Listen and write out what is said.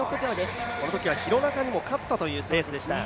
実況このときは廣中にも勝ったというレースでした。